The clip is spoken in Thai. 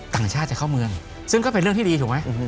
ต่างชาติจะเข้าเมืองซึ่งก็เป็นเรื่องที่ดีถูกไหม